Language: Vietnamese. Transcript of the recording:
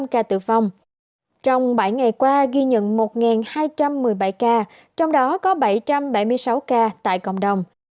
hai mươi năm ca tử phong trong bảy ngày qua ghi nhận một hai trăm một mươi bảy ca trong đó có bảy trăm bảy mươi sáu ca tại cộng đồng